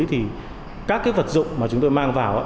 thì các vật dụng mà chúng tôi mang vào